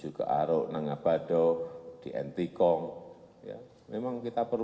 udah marunda capung ciwincing udah